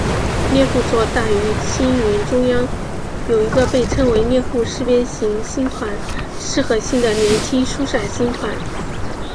猎户座大星云中央有一个被称为猎户四边形星团四合星的年轻疏散星团。